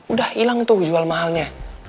udah hilang tuh jual mahalnya